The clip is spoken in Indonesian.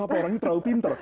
apa orang ini terlalu pinter